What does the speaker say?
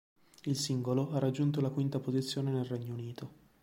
Il singolo ha raggiunto la quinta posizione nel Regno Unito.